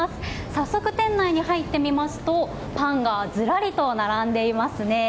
早速、店内に入ってみますとパンがずらりと並んでいますね。